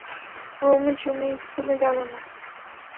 রুমী সুমী স্কুলে গেল না।